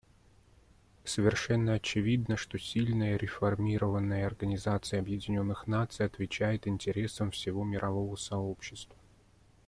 Совершенно очевидно, что сильная, реформированная Организация Объединенных Наций отвечает интересам всего мирового сообщества.